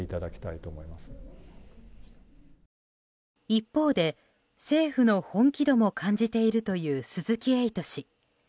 一方で、政府の本気度も感じているという鈴木エイト氏。